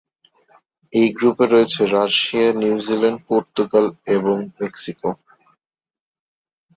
এই গ্রুপে রয়েছে রাশিয়া, নিউজিল্যান্ড, পর্তুগাল এবং মেক্সিকো।